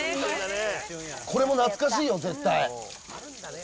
これも懐かしいよ、絶対。